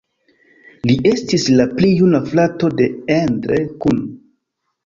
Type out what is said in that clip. Li estis la pli juna frato de Endre Kun.